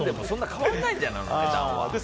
そんなに変わらないんじゃないの、値段は。